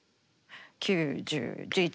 ９１０１１。